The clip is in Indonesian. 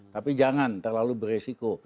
tapi jangan terlalu berisiko